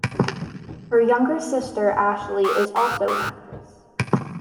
Her younger sister Ashley is also an actress.